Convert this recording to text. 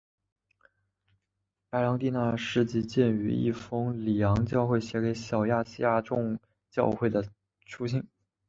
白郎弟娜的事迹见于一封里昂教会写给小亚细亚众教会的书信。